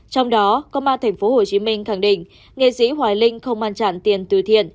trong đó công an tp hcm khẳng định nghị sĩ hoài linh không man trạn tiền từ thiện